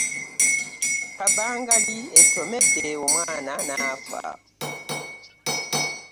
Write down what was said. Kabangali etomedde omwana nafa.